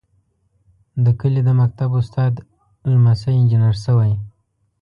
د کلي د مکتب استاد لمسی انجنیر شوی.